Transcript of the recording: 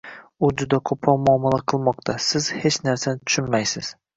U juda qo‘pol muomala qilmoqda: “Siz hech narsani tushunmaysiz...”